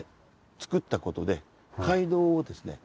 つくったことで街道をですね